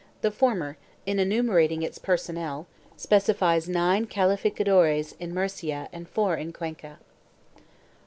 TRIBUNALS 547 the former, in enumerating its personnel, specifies nine calificadores in Murcia and four in Cuenca.